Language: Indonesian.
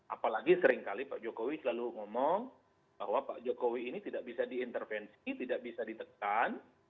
apalagi seringkali pak jokowi selalu ngomong bahwa pak jokowi ini tidak bisa diintervensi tidak bisa ditekan